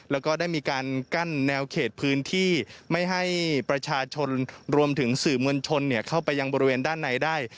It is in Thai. แล้วก็ได้มีการกั้นแนวเขตพื้นที่ไม่ให้ประชาชนรวมถึงสื่อมวลชนเข้าไปยังบริเวณด้านในได้